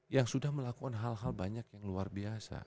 yang sudah melakukan hal hal banyak yang luar biasa